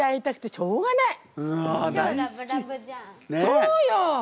そうよ！